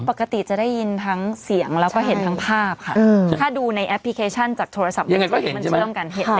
ปกติจะได้ยินทั้งเสียงแล้วก็เห็นทั้งภาพค่ะถ้าดูในแอปพลิเคชันจากโทรศัพท์มือถือมันเชื่อมกัน